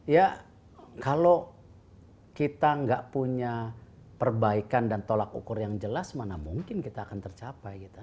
ya kalau kita nggak punya perbaikan dan tolak ukur yang jelas mana mungkin kita akan tercapai gitu